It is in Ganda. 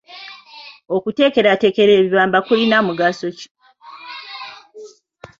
Okuteekerateekera ebibamba kulina mugaso ki?